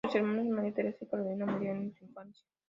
Sus hermanas María Teresa y Carolina murieron en su infancia.